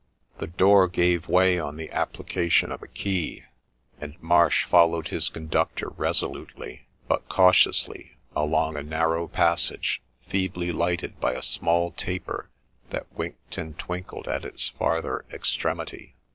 The door gave way on the applica tion of a key, and Marsh followed his conductor resolutely, but cautiously, along a narrow passage, feebly lighted by a small taper that winked and twinkled at its farther extremity.